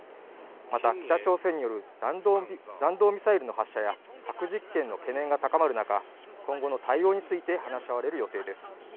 また北朝鮮による弾道ミサイルの発射や核実験の懸念が高まる中、今後の対応について話し合われる予定です。